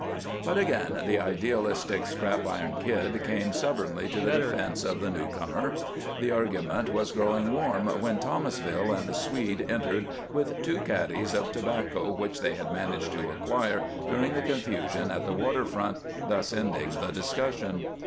But again the idealistic Scrap Iron Kid came stubbornly to the defense of the new comer; and the argument was growing warm when Thomasville and the Swede entered with two caddies of tobacco which they had managed to acquire during the confusion at the water front, thus ending the discussion.